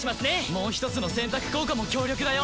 もう一つの選択効果も強力だよ。